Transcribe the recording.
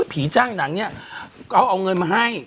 ผีจ้างหนังเนี่ยก็เอาเงินมาให้